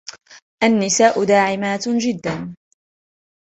النساء داعِمات جدًّا.